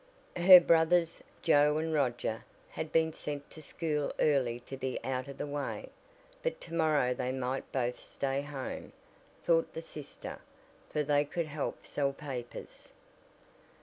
Her brothers, Joe and Roger, had been sent to school early to be out of the way, but to morrow they might both stay home, thought the sister, for they could help sell papers.